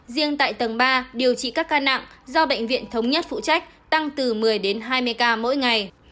riêng tại tầng ba điều trị các ca nặng do bệnh viện thống nhất phụ trách tăng từ một mươi đến hai mươi ca mỗi ngày